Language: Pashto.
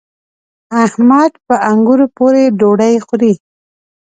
احمد په انګورو پورې ډوډۍ خوري.